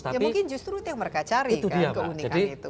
ya mungkin justru itu yang mereka cari kan keunikan itu